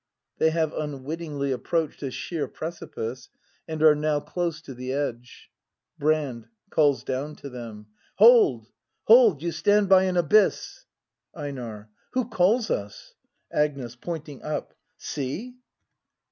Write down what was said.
[They have unwittingly approached a sheer prec ipice, and are now close to the edge. Brand. [Calls down to them.] Hold! hold! You stand by an abyss! EiNAE. Who calls us ? Agnes. [Pointing up.] See!